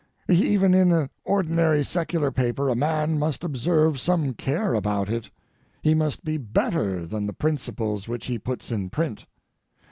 Even in an ordinary secular paper a man must observe some care about it; he must be better than the principles which he puts in print.